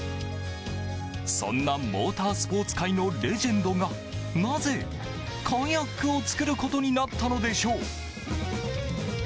そんなモータースポーツ界のレジェンドがなぜカヤックを作ることになったのでしょう。